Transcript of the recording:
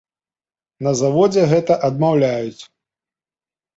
На заводзе гэта адмаўляюць.